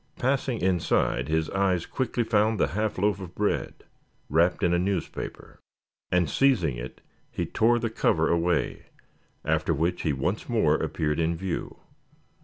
Passing inside his eyes quickly found the half loaf of bread wrapped in a newspaper. And seizing it he tore the cover away, after which he once more appeared in view.